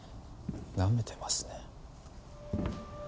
なめてますね